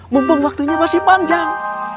mumpung waktunya masih panjang